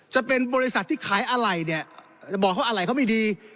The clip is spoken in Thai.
จะเป็นบริษัทที่ขายอะไรเนี่ยจะบอกเขาอะไรเขาไม่ดี